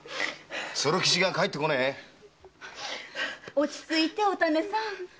落ち着いておたねさん。